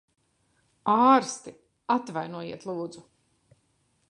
Ārsti! Atvainojiet, lūdzu.